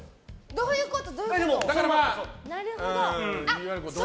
どういうこと？